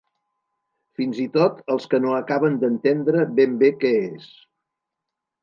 Fins i tot els que no acaben d'entendre ben bé què és.